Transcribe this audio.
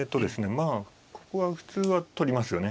まあここは普通は取りますよね。